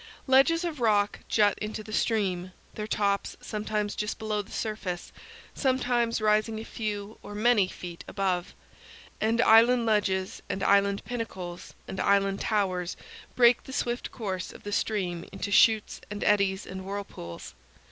Ledges of rock jut into the stream, their tops sometimes just below the surface, sometimes rising a few or many feet above; and island ledges and island pinnacles and island towers break the swift course of the stream into chutes and eddies and whirlpools.